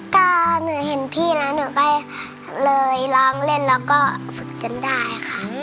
ก็หนูเห็นพี่แล้วหนูก็เลยร้องเล่นแล้วก็ฝึกจนได้ค่ะ